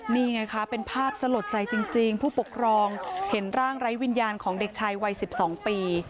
นี่ไงคะเป็นภาพสลดใจจริงผู้ปกครองเห็นร่างไร้วิญญาณของเด็กชายวัย๑๒ปี